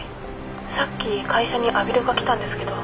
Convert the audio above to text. さっき会社に阿比留が来たんですけど。